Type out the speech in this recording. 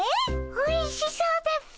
おいしそうだっピ。